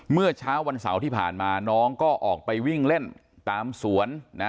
เมื่อเช้าวันเสาร์ที่ผ่านมาน้องก็ออกไปวิ่งเล่นตามสวนนะ